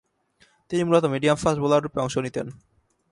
তিনি মূলতঃ মিডিয়াম-ফাস্ট বোলাররূপে অংশ নিতেন।